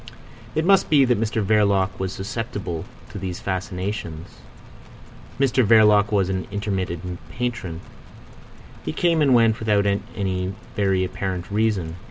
It must be that Mr Verloc was susceptible to these fascinations. Mr Verloc was an intermittent patron. He came and went without any very apparent reason.